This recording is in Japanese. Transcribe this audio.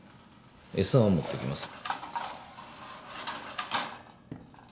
餌を持ってきます。